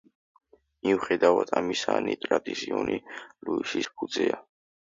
მიუხედავად ამისა ნიტრიტის იონი ლუისის ფუძეა.